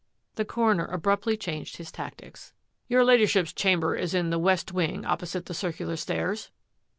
The coroner abruptly changed his tactics. " Your Ladyship's chamber is in the west wing opposite the circular stairs